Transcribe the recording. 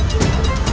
aku tidak mau